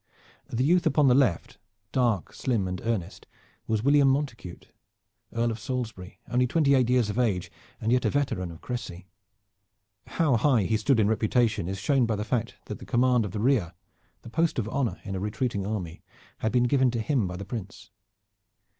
The youth upon the left, dark, slim and earnest, was William Montacute, Earl of Salisbury, only twenty eight years of age and yet a veteran of Crecy. How high he stood in reputation is shown by the fact that the command of the rear, the post of honor in a retreating army, had been given to him by the Prince.